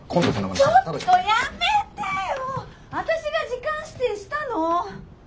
ちょっとやめてよ！あたしが時間指定したの。